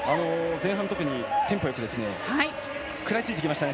前半、特にテンポよく食らいついていきましたね。